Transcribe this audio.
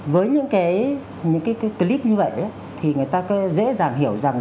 với những cái clip như vậy thì người ta dễ dàng hiểu rằng